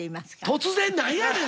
突然なんやねん！